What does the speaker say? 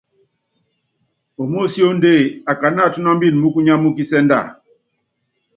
Ómósíóndée, akáná atúnámbini mukunya múkisɛ́ndɛa?